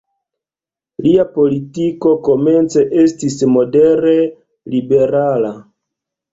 Lia politiko komence estis modere liberala.